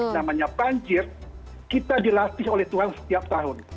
namanya banjir kita dilatih oleh tuhan setiap tahun